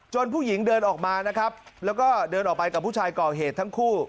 ผู้หญิงเดินออกมานะครับแล้วก็เดินออกไปกับผู้ชายก่อเหตุทั้งคู่